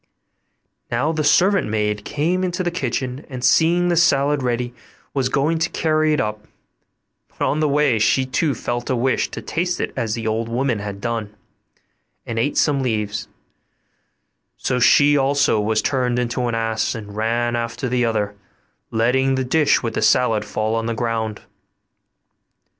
Now the servant maid came into the kitchen, and seeing the salad ready, was going to carry it up; but on the way she too felt a wish to taste it as the old woman had done, and ate some leaves; so she also was turned into an ass and ran after the other, letting the dish with the salad fall on the ground.